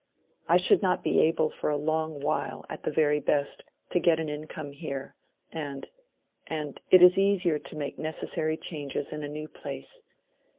I should not be able for a long while, at the very best, to get an income here, and—and it is easier to make necessary changes in a new place.